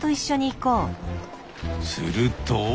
すると。